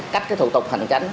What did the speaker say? cách thủ tục hành tránh